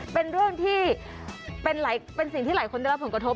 เป็นเรื่องที่เป็นสิ่งที่หลายคนได้รับผลกระทบ